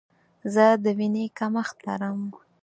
زه د ویني کمښت لرم.